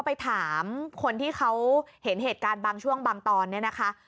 ไปถามคนที่เขาเห็นเหตุการณ์บางช่วงบางตอนเนี่ยนะคะ